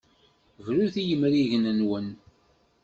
Brut i yemrigen-nwen!